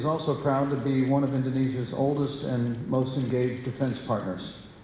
saya adalah salah satu dari para pasukan pertahanan terbesar di indonesia